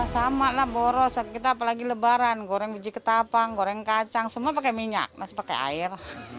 sama lah boros kita apalagi lebaran goreng biji ketapang goreng kacang semua pakai minyak masih pakai air